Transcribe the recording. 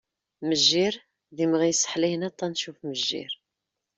Mejjir d imɣi yesseḥlayen aṭan "Ccuf-mejjir".